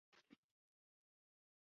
该岛屿是一个无人岛。